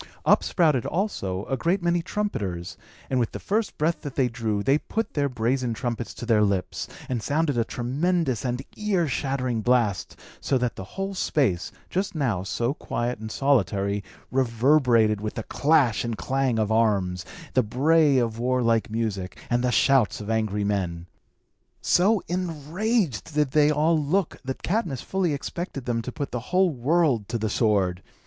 Up sprouted, also, a great many trumpeters; and with the first breath that they drew, they put their brazen trumpets to their lips, and sounded a tremendous and ear shattering blast; so that the whole space, just now so quiet and solitary, reverberated with the clash and clang of arms, the bray of warlike music, and the shouts of angry men. So enraged did they all look, that Cadmus fully expected them to put the whole world to the sword.